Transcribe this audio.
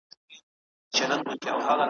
مات به د پانوس کړو نامحرمه دوږخي سکوت `